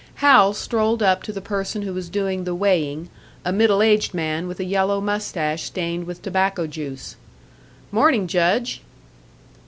Hal strolled up to the person who was doing the weighing, a middle aged man with a yellow moustache stained with tobacco juice. "Morning, Judge."